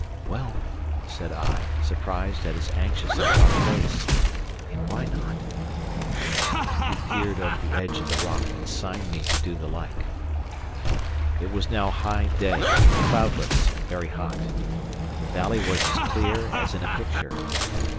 "Well," said I, surprised at his anxious and dark face, "and why not?" He peered over the edge of the rock, and signed to me to do the like. It was now high day, cloudless, and very hot. The valley was as clear as in a picture.